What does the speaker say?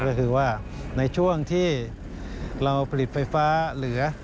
ก็คือว่าในช่วงที่เราผลิตไฟฟ้าเหลือ